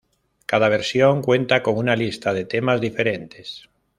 Cada versión cuenta con una lista de temas diferentes.